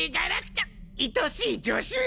愛しい助手よ！